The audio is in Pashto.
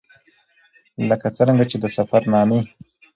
ـ لکه څرنګه چې د سفر نامې